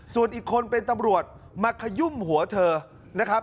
ส่วนอีกคนเป็นตำรวจมาขยุ่มหัวเธอนะครับ